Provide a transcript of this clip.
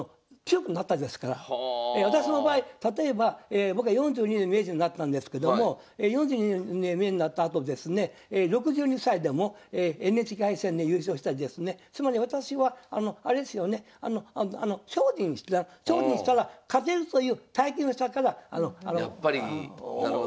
私の場合例えば僕は４２で名人になったんですけども４２で名人になったあとですね６２歳でもＮＨＫ杯戦で優勝したりですねつまり私はあれですよね精進したら勝てるという体験をしたから面白い。